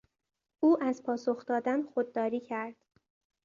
او از پاسخ دادن خودداری کرد.